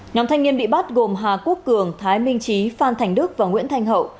nhóm thanh niên bị bắt gồm hà quốc cường thái minh trí phan thành đức và nguyễn thanh hậu